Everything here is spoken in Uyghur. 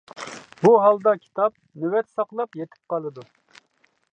بۇ ھالدا كىتاب «نۆۋەت ساقلاپ» يېتىپ قالىدۇ.